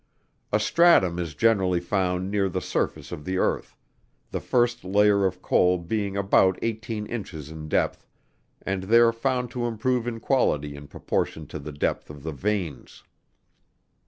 A stratum is generally found near the surface of the earth: the first layer of coal being about eighteen inches in depth, and they are found to improve in quality in proportion to the depth of the veins.